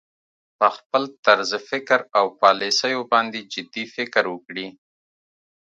په خپل طرز تفکر او پالیسیو باندې جدي فکر وکړي